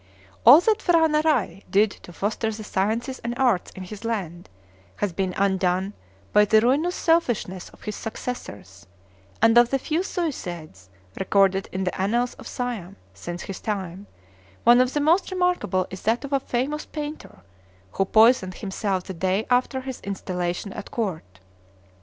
All that P'hra Narai did to foster the sciences and arts in his land has been undone by the ruinous selfishness of his successors; and of the few suicides recorded in the annals of Siam since his time, one of the most remarkable is that of a famous painter, who poisoned himself the day after his installation at court.